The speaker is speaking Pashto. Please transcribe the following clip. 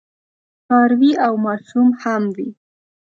څاروي او ماشوم هم وي.